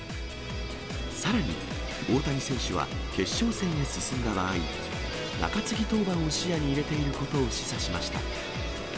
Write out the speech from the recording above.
さらに、大谷選手は決勝戦へ進んだ場合、中継ぎ登板も視野に入れていることを示唆しました。